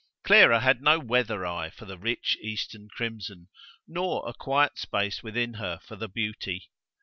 Clara had no weather eye for the rich Eastern crimson, nor a quiet space within her for the beauty.